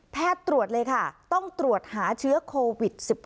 ตรวจเลยค่ะต้องตรวจหาเชื้อโควิด๑๙